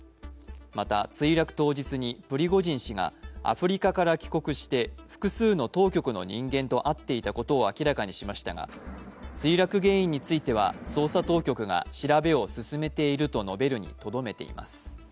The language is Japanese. また、墜落当日にプリゴジン氏がアフリカから帰国して複数の当局の人間と会っていたことを明らかにしましたが墜落原因については捜査当局が調べを進めていると述べるにとどめています。